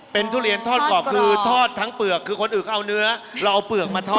เป็นทุเรียนทอดกรอบคือทอดทั้งเปลือกคือคนอื่นเขาเอาเนื้อเราเอาเปลือกมาทอด